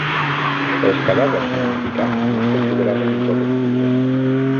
Els cadàvers momificats no es consideraven incorruptibles.